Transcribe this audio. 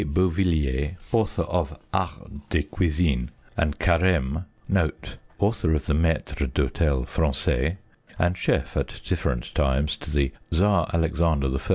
Beauvilliers (author of Art des cuisines) and Careme (author of the Maitre d'hotel fran(ais, and chef at different times to the Tsar Alexander I.